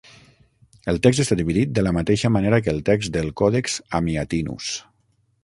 El text està dividit de la mateixa manera que el text del Còdex Amiatinus.